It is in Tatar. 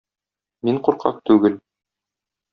Мин куркак түгел!